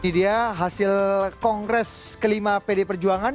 jadi dia hasil kongres kelima pd perjuangan